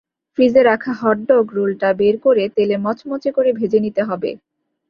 ফ্রিজে রাখা হটডগ রোলটা বের করে তেলে মচমচে করে ভেজে নিতে হবে।